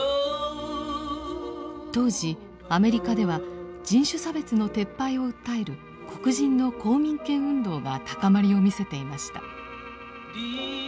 当時アメリカでは人種差別の撤廃を訴える黒人の公民権運動が高まりを見せていました。